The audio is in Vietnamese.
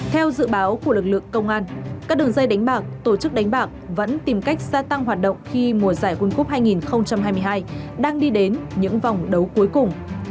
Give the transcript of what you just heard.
theo dự báo của lực lượng công an các đường dây đánh bạc tổ chức đánh bạc vẫn tìm cách gia tăng hoạt động khi mùa giải world cup hai nghìn hai mươi hai đang đi đến những vòng đấu cuối cùng